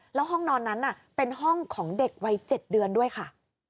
แล้วห้องนอนนั้นเป็นห้องของเด็กวัย๗เดือนด้วยค่ะ